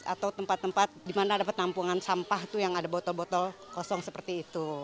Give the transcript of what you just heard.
atau tempat tempat di mana ada penampungan sampah itu yang ada botol botol kosong seperti itu